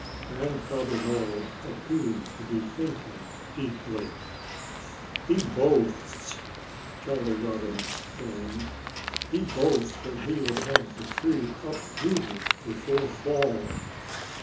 Grandfather Mole appeared to be thinking deeply. "He boasts " Jolly Robin explained "he boasts that he will have the tree uprooted before fall."